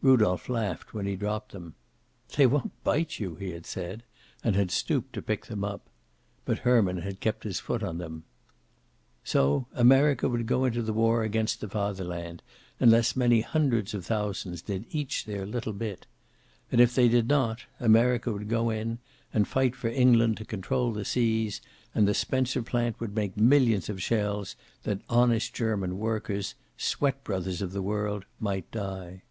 Rudolph laughed when he dropped them. "They won't bite you!" he had said, and had stooped to pick them up. But Herman had kept his foot on them. So America would go into the war against the Fatherland, unless many hundreds of thousands did each their little bit. And if they did not, America would go in, and fight for England to control the seas, and the Spencer plant would make millions of shells that honest German workers, sweat brothers of the world, might die.